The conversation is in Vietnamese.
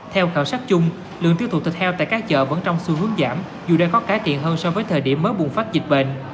theo khảo sát chung lượng tiêu thụ thịt heo tại các chợ vẫn trong xu hướng giảm dù đang có cải thiện hơn so với thời điểm mới bùng phát dịch bệnh